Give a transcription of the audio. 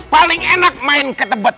paling enak main ke tebet